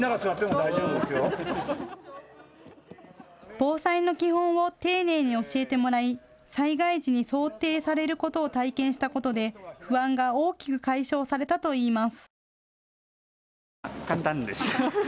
防災の基本を丁寧に教えてもらい災害時に想定されることを体験したことで不安が大きく解消されたといいます。